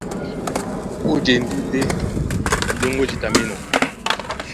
Ó jedú ndé miɗóŋgó jǐta mí enɔ́.